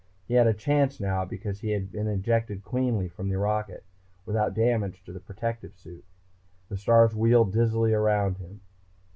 He had a chance, now, because he had been ejected cleanly from the rocket, without damage to the protective suit. The stars wheeled dizzily around him.